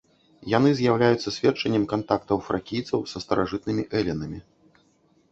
Яны з'яўляюцца сведчаннем кантактаў фракійцаў са старажытнымі элінамі.